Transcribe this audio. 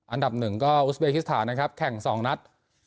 อันดับ๑ก็อุสเบคิสถานนะครับแข่ง๒นัด